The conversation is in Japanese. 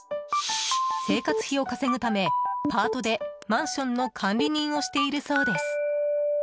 生活費を稼ぐためパートでマンションの管理人をしているそうです。